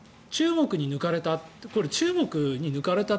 中国に抜かれた。